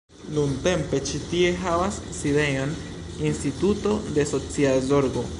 Nuntempe ĉi tie havas sidejon instituto de socia zorgo.